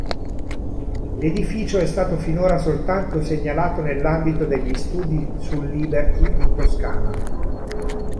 L'edificio è stato finora soltanto segnalato nell'ambito degli studi sul "liberty" in Toscana.